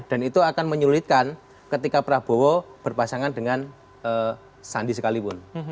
dan itu akan menyulitkan ketika prabowo berpasangan dengan sandi sekalipun